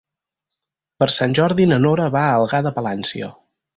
Per Sant Jordi na Nora va a Algar de Palància.